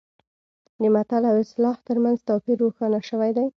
د متل او اصطلاح ترمنځ توپیر روښانه شوی دی